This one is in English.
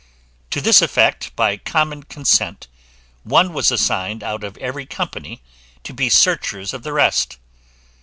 To this effect, by common consent, one was assigned out of every company to be searchers of the rest.